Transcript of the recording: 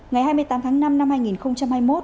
ngày hai mươi tám tháng năm năm hai nghìn hai mươi một